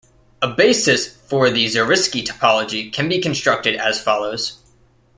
A basis for the Zariski topology can be constructed as follows.